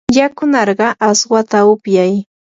yakunarqaa aswata upyay.